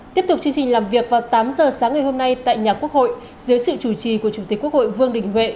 tiếp tục chương trình làm việc vào tám giờ sáng ngày hôm nay tại nhà quốc hội dưới sự chủ trì của chủ tịch quốc hội vương đình huệ